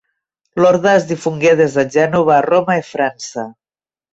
L'orde es difongué des de Gènova a Roma i França.